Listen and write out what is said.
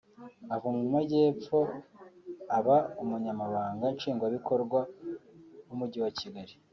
ava mu Majyepfo aba Umunyamabanga Nshingwabikorwa w’Umujyi wa Kigali